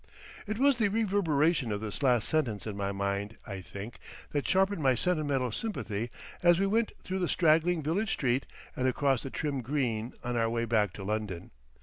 It was the reverberation of this last sentence in my mind, I think, that sharpened my sentimental sympathy as we went through the straggling village street and across the trim green on our way back to London.